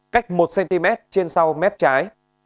cách một cm trên sau mép trái